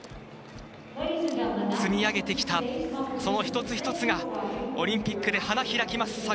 積み上げてきた一つ一つがオリンピックで花開きます。